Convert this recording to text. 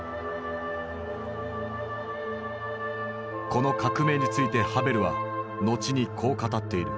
この革命についてハヴェルは後にこう語っている。